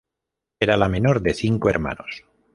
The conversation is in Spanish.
Era la menor de cinco hermanos.